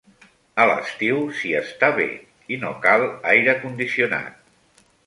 A l'estiu s'hi està bé i no cal aire condicionat.